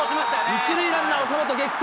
１塁ランナー、岡本激走。